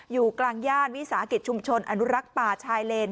อยู่กลางย่านวิสาหกิจชุมชนอนุรักษ์ป่าชายเลน